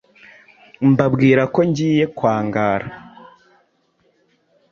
mbabwirako Ngiye kwa Ngara